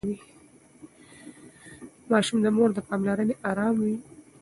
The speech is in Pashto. ماشوم د مور له پاملرنې ارام وي.